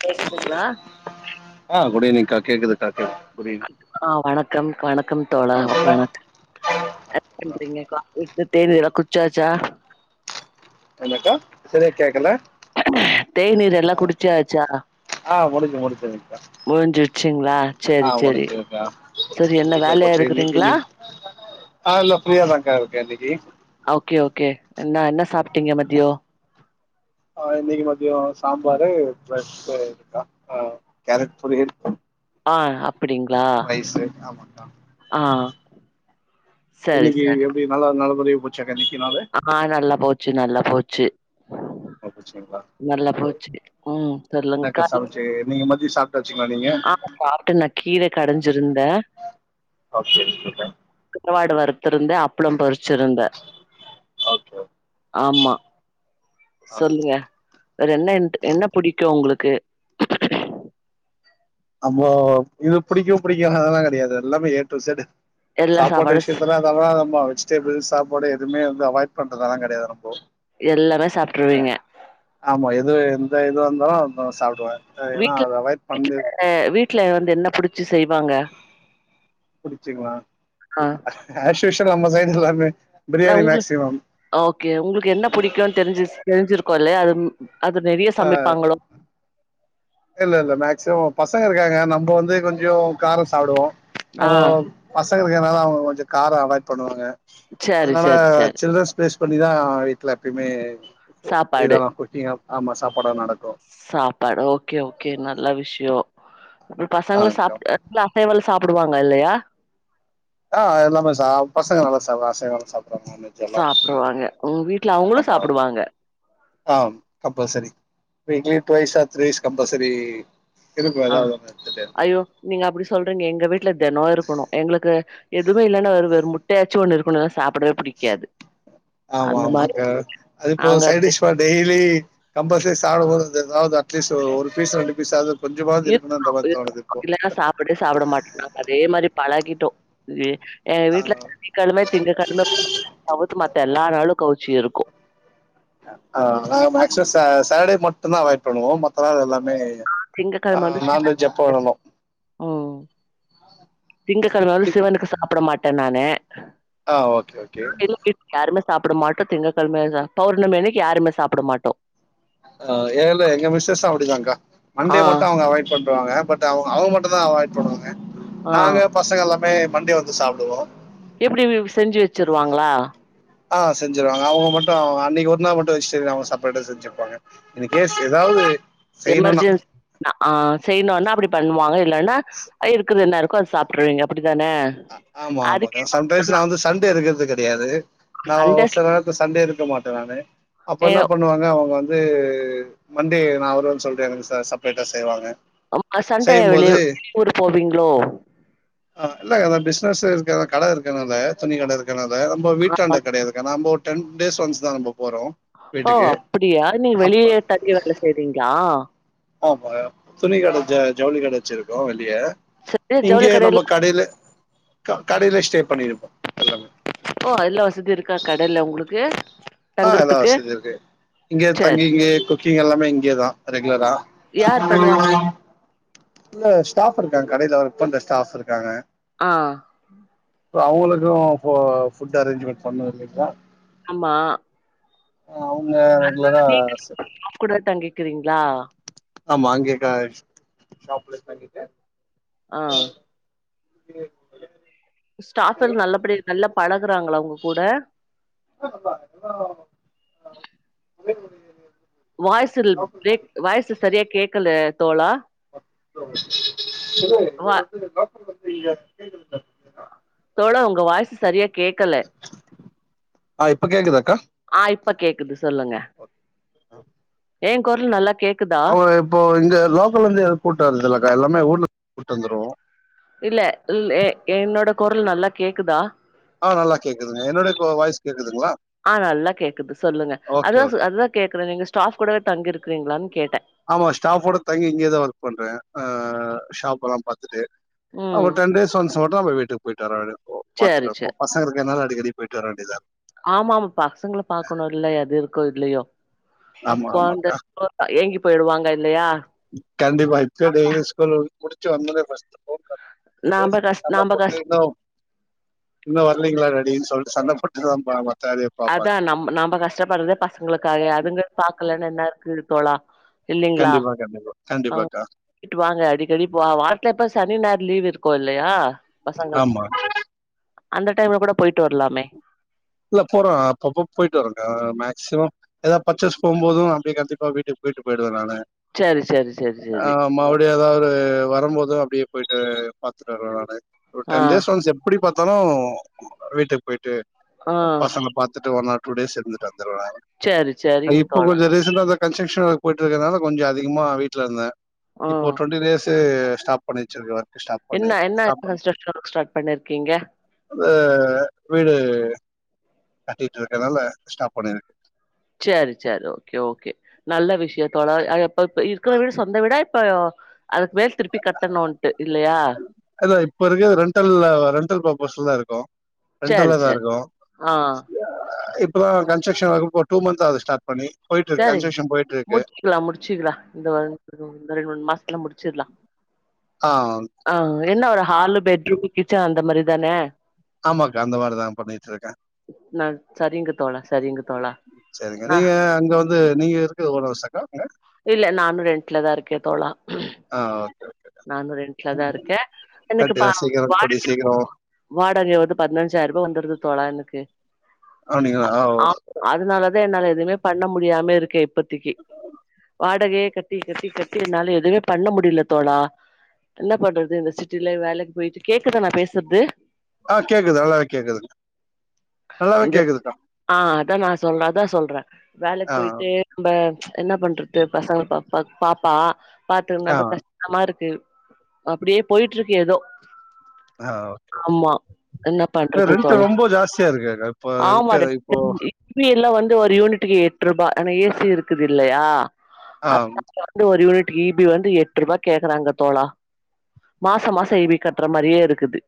கேக்குதுங்ளா ஆ குடு ஈவ்னிக்கா கேக்குதுக்கா கேக்குது குட் ஈவினிங் ஆ வணக்கம் வணக் க்கம் தோழா ஆ வணக் [unintelligible] தேநீர்ல்லா குச்சாச்சா என்னக்கா சரியா கேக்கல தேநீர் எல்லா ஆ குடிச்சாச்சா ஆ முடிஞ் இது முடிச்ச முடிஞ்சிருச்சுங்களா சேரி ஆ சேரி உனக்கிருக்கா சரி என்ன அப்பிடிக்கா வேலையா போச்சி இன்னிக்கு இருக்குறீங்களா இன்னி ஆ இல்ல ஃப்ரியாதாக்கா இருக்கே இன்னிக்கு கே ஓகே என்ன என்ன சாப்டீங்க மதியோ ஆ இன்னிக்கு மதியோ சாம்பாரு ப்ரஸ் இருக்கா ஆ கேரட் பொரியல் ஆ அப் ப்பிடிங்ளா ரைஸு ஆ சரி இன்னிக்கு சரி எப்பிடி நல்லா நல்ல [unintelligible] ஆ நல்லா போச்சு நல்லா போச்சு நல்லா போச்சுங்களா நல்லா ஓகே போச்சு ஓகே ம் தெர்லங் என்னக்கா சமைச்சு நீங்க மதியம் சாப்ட்டாச்சுங்களா நீங்க ஆ சாப்ட்டு நா கீர கடைஞ்சிருந்தே ஓகே ஓகேக்கா கருவாடு வறு த்து இருந்தே அப்ளம் பொறிச்சிருந்தே ஓகே ஓகே ஆமா ஆ சொல்லுங்க வேற என்ன எண்ட் என்ன புடிக்கும் உங்ளுக் க்கு அம இது புடிக்கு புடிக்கா அதெல்லா கெடையாது எல்லாமே ஏட்டு இசர்ட் எல்லா சாப்பாடு சாப்பாடும் ஸ் விஷயத்தலா அதெல்லா நம்ம வெஜிடபிள் சாப்பாடு எதுமே வந்து அவாய்ட் பண்றதாலா கெடையாது நம்போ எல்லாமே சாப்பிட்டுருவீங்க த எதுவாந்தாலு சாப்பிடுவே அ ஏன்னா அது அவாய்ட் பண்ணு அ வீட்ல வந்து என்ன புடிச்சி செய்வாங்க புடிச்சிங்களா ஆ ஆஸ் சுஷ்ல் ரம்ம சைன்டு எல்லாமே நா பிரியாணி உங்ளுக் மேக்சிமம் ஓகே உங்களுக்கு என்ன புடிக்கு தெரிஞ் தெரிஞ்சிருக்கோ இல்லை அது அது நெறைய ஆ சமைப்பாங்களோ இல்ல இல்ல மேக்சிமம் பசங்க இருக்காங்க நம்ம வந்து கொஞ்சோ கார சா சாப்புடுவோ ஓ ஆ பச த்தங்க இருக்கனால அவங்க கொஞ்ச காரோ அவாய்ட் பண்ணுவாங்க சரி, அதனால சரி, சரி. சில்டரன்ஸ் பேஸ் இப்பண்ணிதா வீட்ல எப்பியுமே சாப்பாடு. எதல்லா கொட்டிங்க ஆமா சாப்பாட நடக்கு சாப்பாடு ஓகே ஓகே நல்ல விஷ்யோ அ ஆ பசங்கள கா சாப்டு [unintelligible] சாப்பிடுவாங்க இல்லையா ஆ எல்லாமே சா பசங்க நல்லா சாவகா [unintelligible] நான்வெஜ் எல்லா சாப்டுவாங்க. உங்க வீட்ல அவங்களும் ஆமா ஆமா சாப்டுவாங்க. ஆ கம்பல்சரி வீக்லி டுவய்ஸ் ஆ திரைஸ் கம்பல்சரி இருக்கு ஆ ஏதாவது ஒன்னு எடுத்துட்டே இருப்போ ஐயோ நீங்க அப்பிடி சொல்றீங்க எங்க வீட் வீட்ல தினோ இருக்கணு எங்களுக்கு எதுவுமே இல்லைன்னா வெறும்முட் முட்டையாச்சு ஒண்ணு இருக்கணு இல்லா சாப்பிடவே பிடிக்காது ஆமா அந்த மாரி ஆமாக்கா அதுப்போ நாங்க அப்டி சைடிஷ் பார் டெய்லி கம்பல்சரி சாப்பிடுபோது அது எதாவது அட்லீஸ் ஒரு பீஸ் ரெண்டு பீஸ்வது கொஞ்சமாவது இருக்குணும்ன்ற இருக்கணும் மாரி தோணுது இருக்கணும். இருப்போ இல்லன்னா சாப்பிடவே சாப்பிட மாட்டோம். நாங்க அதே மாரி [unintelligible] இது எங்க வீட்டுல சனிக்கிழம திங்க கிழம தவித்து மத்த எல்லா நாளு கவுச்சி இருக்கு ஆமா மட்டுதா அவாய்ட் பண்ணுவோ மத்த நாள் எல்லா அ திங்க கிழமை வந்து சிவன் வேணாலு ம் திங்க கிழமை வந்து சிவனுக்கு சாப்பிட மாட் ட நானு ஆ ஓகே ஓகே எங்க வீட்ல யாருமே சாப்பிட மாட்டோ திங்கக்கிழமைைய ச பௌர்ணமியனக்கி யாருமே சாப்பிட மாட்டோ அ ஏல்லா எங்க மிஸ்ஸஸ் அப்படிதாங்க்கா ஆ, மண்டே மட்டு அவங்க அவைட் பண்றுவாங்க பட் அவங்க அவங்க மட்டம்தா அவாய்ட் பண்ணுவாங்க ஆ. நாங்க பசங்க எல்லா மே மண்டே வந்து சாப்பிடுவோ எப்படி வி செஞ்சு வச்சிருவாங்களா ஆ செஞ்சருவாங்க அவங்க மட்டு அன்னைக்கு ஒருன்னா மட்டு வெஜேடெரியன் அவங்க செப்பரேட்டா செஞ்சிருப்பாங்க இன் கேஸ் ஏதாவது செய்யணும்னா எமர்ஜென்சி ஆ செய்யணும்னா அப்படி பண்ணுவாங்க இல்லைன்னா இருக்குது என்ன இருக் க்கோ அத சாப்ருவீங்க அப்டி அ ஆமா ஆமா சம்டைம்ஸ் நா வந்து சண்டே இருக்கிறது கிடையாது நா சண்ட ஒரு சில நேரத்து சண்டே இருக்க மாட்டேன்னானு அப்ப எ என்ன பண்ணுவாங்க அவங்க வந்து மண்டே நா [unintelligible] சொல்லிட்டு எங்களுக்கு ச செப்ரேட்டா செய்வாங்க ஆமா சண்டைய செய்யும்போது வெளியு வெளிய ஊரு போவீங்களோ அத பிஸ்னஸ் இருக்கனால கடை இருக்கனால துணி கடை இருக்கனா ல நம்ம ஆமா. வீட்டாண்ட கிடையாதுக்க நம்ப டன் டேஸ் ஒன்ஸ் தா போ ஓ அப்படியா நீங்க அப்ப வெளியே தங்கி வேல செய்றீங்களா ஆமா துணிக்கடை ஜ ஜவுளி கடை வச்சிருக்கோ வெளியே சரி ஜவுளி இங்கே நம்ம கடையில க கடையில ஸ்டே பண்ணிருப்போ எல்லாமே ஓ! எல்லா வசதி இருக்கா கடையில உங்களுக்கு? ஆ எல்லா தங்குறதுக்கு? வசதியு இருக்கு இங்க சரி. தங்கி இங்க குக்கிங் எல்லாமே இங்கேயேதா ரெகுலரா யார் பண்ணுவாங்க? [inaudible] இல்ல ஸ்டாஃப் இருக்காங்க கடையில ஒர்க் பண்ற ஸ்டாஃப் இருக்காங்க ஆ ஓ அவங்களுக்கு போ ஃபுட் அரேஞ்ச்மெண்ட் பண்ணு இல்லைங்களா ஆமா அவுங்க ரெகுலரா நீங்க ச ஸ்டாஃப் கூட தங்கிக்கிறீங்களா? ஆமா அங்கேக்கா ஷாப்ளஸ் தங்கிட்டு ஆ உ ஸ்டாப் எல் நல்லபடி நல்லா பழகுறாங்களா அவங் கூட [unintelligible] வாயிஸ்சில் பிரேக் வாய்ஸ் சரியா கேக்கல அ இ வா [unintelligible] தோழா உங்க வாயிஸ் சரியா கேக்கல ஆ இப்ப கேக்குதா ஆ இப்ப கேக்குது சொல்லுங்க ஏ கொரல் நல்லா கேக் அவங்க இப்போ இங்க லோக்கல்ல இருந்து எது போட்டுதரத்துல்லகா எல்லாமே ஊர்ல போட்டு வந்துருவோ இல்ல இல்லே என்னோட கொரல் நல்லா கேக்குதா ஆ நல்லா கேக்குதுங்க என்னுடைய இப்ப வய்ஸ் கே ஆ நல்லா கேக்குது சொல்லுங்க ஓகே அதுதா ஓகே அதுதா கேக்குறே நீங்க ஸ்டாப் கூடவே தங்கிருக்கிறங்களான் கேட்டே ஆமா ஸ்டாஃபோட தங்கி இங்கேயேதா ஒர்க் பண்றே ஆ ஷாஃப் எல்லா பாத்துட்டு அவ ம் டென் டேஸ் ஒன்ஸ் தோ மட்டு வீட்டுக்கு போய்டாரா அவரு ஓ சேரி பாத்துட்டு பசங்க என்னன்ன டெலி போய்டு வரவேண்டியதா ஆமாப் பசங்கள பாக்கணு இல்ல அது [unintelligible] ஆமா அப்ப ஆமா அந்த குழந்த ஏங்கிப் போயிடுவாங்க இல்லையா கண்டிப்பா இப்பயே டெய்லி ஸ்கூல் முடிச்சு வந்தோனே ஃபர்ஸ்ட் போன் பாத்து நாம்ப பேஸ்ட் கஷ் சண்ட நாம்ப போட்டு கஷ் இன்னு இன்னு வரலீங்களா அப்படின்னு சொல்லிட்டு சண்ட போட்டுதாபாங்க அதா நம் நம்ப கஷ்டப்படுறதே பசங்களுக்காக அதுங்க பாக்கலனு என்ன இருக்கு தோழா இல்லைங்களா கண்டிபா கண்டிபா ஆ விட்டு வாங்க அடிக்கடி இப்ப வாரத்துக் இப்ப சனி ஞாயிறு லீவ் இருக்கு இல்லையா பசங்களுக்கு ஆமா அந்த டைம்ல கூட போய்ட்டு வரலாமே இல்ல போறோ அப்பப்ப போயிட்டு வரங்கா மேக்சிமம் ஏதாவது பர்ச்சேஸ் போகுபோது அப்படியே கண்டிப்பா வீட்டுக்கு போயிட்டு போயிடுவே நானு சேரி சேரி சேரி ஆ சேரி மறுபடி ஏதாவது வரும்போது அப்டியே போய்டு பாத்துட்டு வருவே நானே ஒரு ஆ டென் டேஸ் ஒன்ஸ் எப்படி பாத் அத்தனு வீட்டுக்கு போயிட்டு ஆ பசங்க பாத்து [unintelligible] டு டேஸ் இருந்துட்டு வந்துருவே சரி சரிங்க இப்ப தோழா கொஞ்சோ ரீசண்டா தா கன்செக்சன் ஒர்க் போயிட்டு இருக்கதுனால கொஞ்சோ அதிகமா வீட்ல இருந்தே இப்போ ம் ட்வெண்டி டேஸ்ஷு இத ஸ்டாப் பண்ணிச்சிருக்கார் என்ன என்ன என்ன கன்ஸ்ட்ரக்க்ஷன் ஒர்க் ஸ்டார்ட் பண்ணிருக்கீங்க ஆ வீடு கட்டிட்டு இருக்கனால ஸ்டாப் பண்ணியிருக் சரி சரி ஓகே ஓகே நல்ல விஷயம் தோழா [unintelligible] இப்ப இருக்க ந்த வீடு சொந்த வீடா இப்ப அதுக்கு மேல் திருப்பி கட்டணுன்ட்டு இல்லையா அத இப்ப இருக்க ரெண்டல்ல ரெண்டல் பர்பஸ்ல தா இருக்கோ சரி ரெண்டலதா சரி இருக்கோ ஆ இப் இப்பதா கன்ஸ்ரக்க்ஷன் ஒர்க் டூ மந்த்து ஆது ஸ்டாட் பண்ணி போயிட்டு இருக்கு சரி கன்ஸ்ட்ரக்ஷன் போயிட்டு இருக்கு முடிச்சிக்கலா முடிச்சிக்கலா இந்த வ இந்த ரெண்டு மூணு மாசத்துல முடிச் சிர்லா ஆ ஆ என்ன ஒரு ஹாலு பெட்ரூம் கிச்சன் அந்த மாரிதான ஆமாக்கா அந்த மாரிதா பண்ணிட்டு இருக்கே நா சரிங்க தோழா சரிங்க தோழா சரிங்க நா நீங்க அங்க வந் இல்ல நானு ரெண்ட்லதா இருக்கே தோழா ஆ உம் ஆ ஓகே நானூறு ரென்ட்லதா இருக்கே எனக்கு கண்டிப்பா பா சீக்கிரம் கூடி வாடகை சீக்கிரம் வாடகையாவது பதினஞ்சாயிரம் ரூவா வந்துருது தோழா எனக்கு அப்பிடிங்களா ஓ அத என்னால எதுவுமே பண்ண முடியாம இருக்கே இப்பத்திக்கு வாடகையை கட்டி கட்டி கட்டி என்னால எதுமே பண்ண முடியல தோழா என்ன பண்றது இந்த சிட்டியில வேலைக்கு போயிட்டு கேக்குதா நா பேசுறது ஆ கேக்குது நல்லாவே கேக்குது நல்லாவே இந்த கேக்குதுக்கா ஆ அதா நா சொல்றே அதா சொல்றே வேலைக்கு ஆ போயிட்டு நம்ப என்ன பண்றது பசங்க பாப்பக் பாப்பா பாத்து ஆ நம்ம கஷ்டமா இருக் க்கு அப்பிடியே போயிட்டு இருக்கு எதோ ஆ என்ன பண்றது ரெண்ட் தோழா ரொம்ப ஜாஸ்தியா இருக்கேகா இப்ப இருக்க இப்போ த்து ஒரு யூனிடட்டுக்கு எட்டு ரூவா ஆனா ஏசி இருக்குது இல்லையா ஆ அதனால வந்து ஒரு யூனிட் ஈபி வந்து எட்டு ரூவா கேக்குறாங்க தோழா மாசோ மாசோ ஈபி கட்டுற மாரியே இருக்குது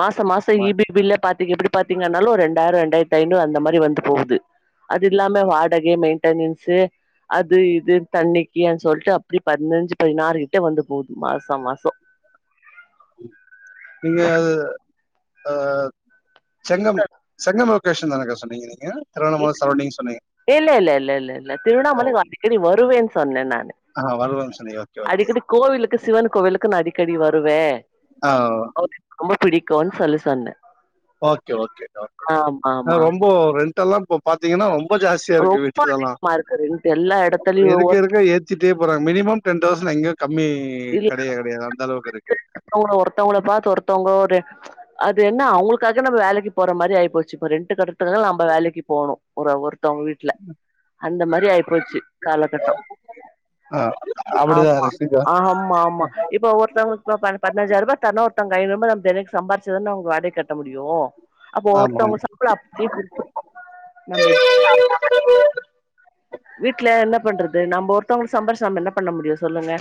மாச மாசம் ஆமா. ஈபி பில்லு பாத்தீங்க எப்பிடி பாத்தீங்கன்னாலு ஒரு ரெண்டாயிரோ ரெண்டாயிரத்தி ஐநூறு அந்த மாரி வந்து போகுது அது இல்லாம வாடகை மெயின்டனன்ஸ் அது இது தண்ணிக்கு சொல்லிட்டு அப்பிடி பதினஞ்சி பதினாறுகிட்ட வந்து போகுது மாச மாசோ நீங்க அது ஆ சங்கம் சங்கமம் கொஷ்ஷின்தானக்கா சொன்னீங்க நீங்க திருவண்ணாமலை சரௌண்டிங் சொன்னீங்க. இல் இல்ல இல்ல இல்ல இல்ல இல்ல ஓ! திருவண்ணாமல அடிக்கடி வருவேன் சொன்னே நா னு ஆ வல்வம் சொன்னீங்க. Okay, okay. அடிக்கடி கோவிலுக்கு சிவன் கோவிலுக்கு நா அடிக்கடி வருவே ஆ அவரு எனக்கு ரொம்ப பிடி க்குன்னு சொல்லி சொன்னே ஓகே ஓகே ஓகேக்கா ஆமா ஆ ஆமா ஆமா ரொம்போ ரெண்ட் எல்லா இப்போ பாத்தீங்கன்னா ரொ ம்ப ஜாஸ்தியா இருக்கு ரொம்ப வீட்டுதெல்லா அதிகமா இருக்கு ரெண்டு எல்லா அ எடத்துலயு இருக்க ஒவ்வொரு இருக்க ஏத்திட்டே போறாங்க மினிமம் டென் தௌசண்ட் எங்க கம்மி இல்ல கெடையவே கெடையாது அந்தளவு [inaudible] ஒருத்தவங்கள பாத்து ஒருத்தவங்க ஒரு அது என்ன அவங்களுக்காக நம்ம வேலைக்கு போற மாரி ஆயிப்போச்சு இப்ப ரெண்ட்டு கட்றத்துக்காக நம்ப வேலைக்கு போகணு ஒரு ஒரு த்தவங்க வீட்ல அந்த மாரி ஆயிப்போச்சு காலகட்டோ ஆ அப்படிதான் ஆமா இருக்குக்கா. ஆமா ஆமா இப்ப ஒரு இப்ப ப பதினஞ்சாயர்ரூபா தர்ணு ஒருத்தங்க ஐநூருபா நம்ம தெனைக்கு சம்பாரிச்சாதான அவங்க வாடகை கட்ட முடியு அப்போ ஆமாமா. ஒருத்தவங்க சம்பளோ அப்பிடியே பிரிச்சரணு நம்ம [inaudible] வீட்ல என்ன பண்றது நம்ப ஒரு மத்தவங்களுக்கு சம்பாரிச்சு நம்ம என்ன பண்ண முடியு சொல்லுங்க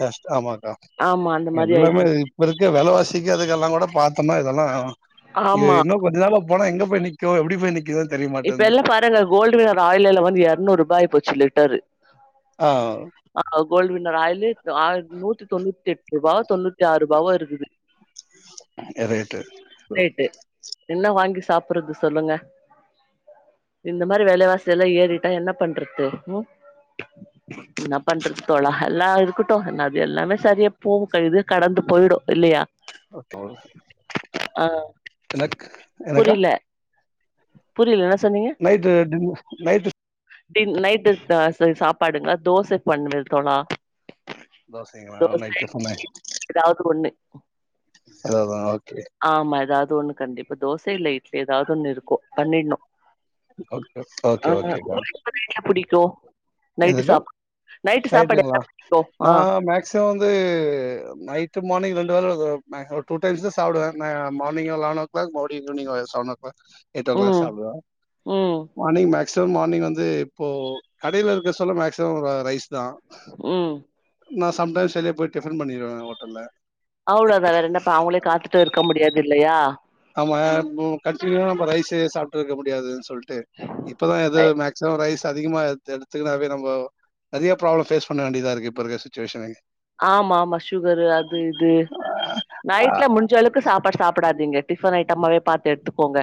கஷ்ட் ஆமாக்கா ஆமா அந்த மாரி எல்லாமே ஆயிப்போச்சு இப்ப இருக்க வெலவாசிக்கு அதுக்கெல்லாங் கூட பாத்தம்னா இதெல்லா ஏ ஆமா இன்னு கொஞ்ச நாள்ல போனா எங்க போய் நிக்கு எப்டி போய் நிக்கிதோ இப்ப எல்லா பாருங்க கோல்டு வின்னர் ஆயில் வெல வந்து எரநூருபா ஆயிப்போச் சு லிட்டரு ஆ ஆ கோல்டு வின் னர் ஆயிலு ஆ நூத்தி தொண்ணூத்தி எட் இப்பா தொண்ணூத் து ஆறுருபாவோ இருக்குது ரைட்டு ரேட்டு என்ன வாங்கி சாப்படறது சொல்லுங்க இந்த மாரி வெலவாசி எல்லா ஏறிட்டா என்ன பண்றது ம் என்ன பண்றது தோழா எல்லா இருக்கட்டு என்ன அது எல்லாமே சரியா போவு க இது கடந்து போயிடு இல்லையா அப்ப ஆ எனக்கு எனக்கா புரியில என்ன சொன்னீங்க நைட்டு டின் நைட்டு டே நைட்டு சா ச சாப் பாடுங்க தோச பண்ணுங்க தோழா தோசைங்களா தோச நைட் டிஃபனு எதாவது ஒண்ணு அதுதா ஓகே தோன்னு கண்டிப்பா தோச இல்ல இட்லி எதாவது ஒன்னு ஓகே ஆ ஓகே ஓகேக்கா உங்களுக்கு எந்த நைட்ல புடிக்கும்? நைட்டு எதுக்கா சாப் நைட்டு சாப்பாடு என்ன நைட்டுங்களா பண்ணிக்கோ நா ஆ மேக்சீமம் வந்து நைட்டு மார்னிங் ரெண் தோச சாப்ட்ட ஒரு டூ டைம்ஸ்தா சாப்டுவேன் ந மார்னிங்கு லெவன் ஓ கிளாக் மோ ஈவினிங்கு ஒரு seven o'clock eight o'clock ம் சாப்டுவோ ம் மார்னிங் மேக் சோ மார்னிங் வந்து இப்போ கடையில இருக்க சொல்ல மேக்சிமம் ரைஸ் ம் நா சம்டைம்ஸ் வெளிய போய் டிஃபன் பண்ணிருவன் ஹோட்டல்ல அவ்ளோதா வேற என்னப்பா அவங்களே காத்துட்டு இருக்க முடியாது இல்லையா ஆமா பு கண்டினியுவா நம்ப ரைசே சாப்ட்டு இருக்க முடியாதுன் சொல்ட் டு இப்பதா எதோ அ மேக்சிமம் ரைஸ் அதிகமா எடு எடுத் துக்குனாவே நம்போ நறையா ப்ராப்ளம் ஃபேஸ் பண்ண வேண்டியதா இருக்கு இப்ப இருக்க சுச்சிவேஷனுக்கு ஆமா ஆமா சுகரு அது இது நைட்ல முடிஞ்ச அளவுக்கு சாப்பாட் சாப்டாதீங்க டிஃபன் ஐட்டமாவே பாத்து எடுத்துக்கோங்க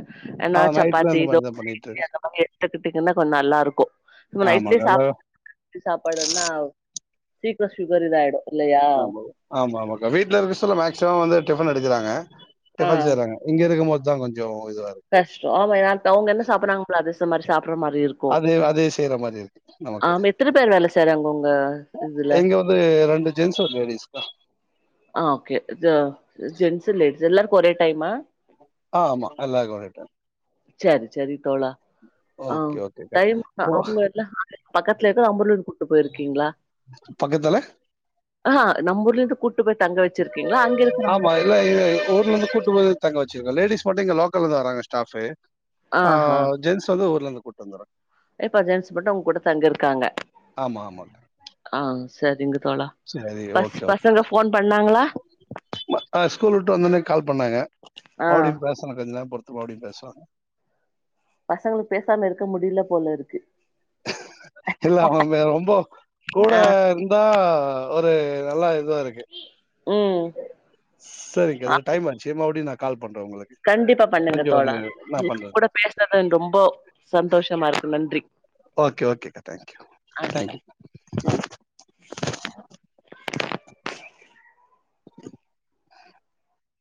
ஆ எதனா நைட்ல சப்பாத்தி அந்த மாதிரி தான் தோச பண்ணிட்டு இட்லி இருக்கு அந்த மாதிரி எடுத்துக்கிட்டீங்கன்னா கொண் நல்லா இருக்கு இப்ப நைட்லே ஆமாக்கா சாப் அதான் சாப்பாடுனா சீக்கிர சுகர் இதாயிடும் ஆமா ஆமா ஆமாக்கா வீட்ல இருக்க சொல்ல மேக்சிமம் வந்து டிஃபன் எ டுக்கிறாங்க டிஃபன் செய்றாங்க இங்கிருக்கமோது இதா கொஞ்சோ கஷ்டம் ஆமானா இப்ப அவுங்க என்ன சாப்பறாங்கன் பிளாரஸ் இந்த மாரி சாப் அதே அதே செய்றமாரி இருக் ஆம் எத்தன பேர் வேல செய்றாங்க உங்க இதுல இங்க வந்து ஜென்ஸ் ஆர் லேடீஸ்கா ஆ ஓகே த ஜென்சு லே து எல்லார்க்கு ஒரே டைமா ஆமா எல்லார்க்கு ஒரே டைம் செரி செரி தோழா ஆ ஓகே, ஓகேக்கா. டைம்க்கு ஓ அவுங்க வர்ல யாரு பக்கத்ல இருக்க ஆம்புர்ல கூட்டுபோயிருக்கிங்ளா பக்கத்துல? அ நம்பூர்லந்து கூட்டு போய் தங்க வச்சிருக்கீங்ளா அங்கிருக்கவங்க என்ன கூட்டுபோயி தங்க வச்சிர்க்க லேடிஸ் மட்டு இங்க லோக்கல்லதா வராங்க ஸ்டாப்சு ஆ ஆஹா ஜென்ஸ் வந்து ஊர்லந்து கூ வந்தர இப்ப ஜென்ஸ் மட்டு அவங்கூட தங்கிருக்காங்க ஆமா ஆமா சரிங்க தோழா சரி பஸ் ஓகே ஓகே பசங்க ஃபோன் பண்ணாங்களா ஸ்கூல் விட்டு வந்தோன்னே கால் பண்ணாங்க ஆ மறுபுடியு பேசன கொஞ்ச நேரம் பொறுத்து மறுபடியு பேசன பசங்களுக்கு பேசாம இருக்க முடில போல இருக்கு இல்லா அவவே ரொம்போ கூட ஆ இருந்தா ஒரு நல்லா இருக் இதுவா இருக்கு ம் சரிங்க ஆ அது டைம் ஆச்சி மறுபுடியு நாக் கண்டிப்பா பண்ணுங்க தோழா நான் பண்றேன். நீங்கூட பேசனனு ரொம்போ சந்தோஷமா இருக்கு நன்றி ஓகே ஓகே தேங்க்யு தேங்கயு ஆ